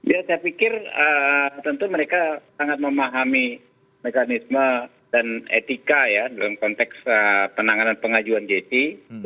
ya saya pikir tentu mereka sangat memahami mekanisme dan etika ya dalam konteks penanganan pengajuan jc